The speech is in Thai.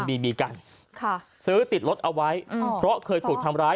มีมีกันค่ะซื้อติดรถเอาไว้เพราะเคยถูกทำร้าย